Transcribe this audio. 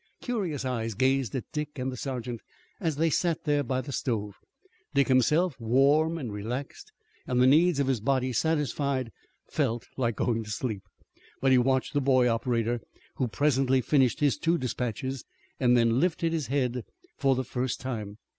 Curious eyes gazed at Dick and the sergeant as they sat there by the stove. Dick himself, warm, relaxed, and the needs of his body satisfied, felt like going to sleep. But he watched the boy operator, who presently finished his two dispatches and then lifted his head for the first time.